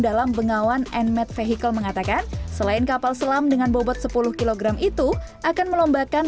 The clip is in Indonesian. dalam bengawan and matt vehicle mengatakan selain kapal selam dengan bobot sepuluh kg itu akan melombakan